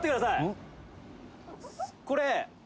これ」